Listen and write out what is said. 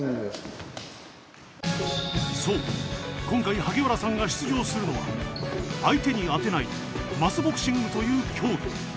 今回萩原さんが出場するのは相手に当てないマスボクシングという競技。